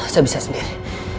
saya bisa sendiri